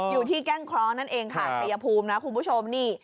อยู่ที่แก้งเคราะห์นั่นเองค่ะชัยภูมินะคุณผู้ชมนี่